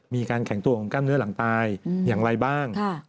มีการแข็งตัวของกล้ามเนื้อหลังตายอย่างไรบ้าง